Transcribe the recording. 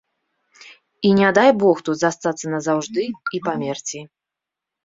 І не дай бог тут застацца назаўжды і памерці.